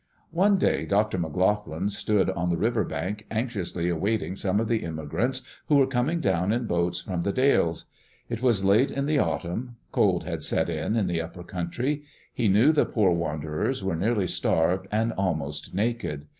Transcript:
One day Dr. McLoughlin stood on the river bank anxiously awaiting some of the immigrants who were coming down in boats from The Dalles. It was late in the autumn. Cold had set in, in the upper country. He knew the poor wanderers were nearly starved and almost naked.